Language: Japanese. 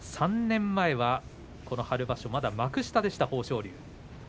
３年前はこの春場所まだ幕下でした豊昇龍。